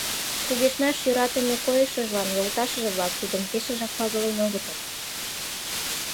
...Кугешнаш йӧратыме койышыжлан йолташыже-влак тудым пешыжак пагален огытыл.